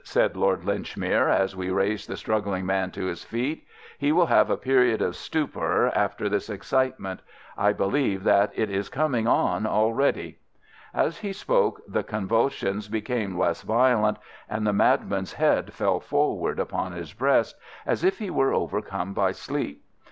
said Lord Linchmere, as we raised the struggling man to his feet. "He will have a period of stupor after this excitement. I believe that it is coming on already." As he spoke the convulsions became less violent, and the madman's head fell forward upon his breast, as if he were overcome by sleep.